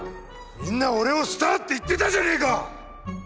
みんな俺をスターって言ってたじゃねえか！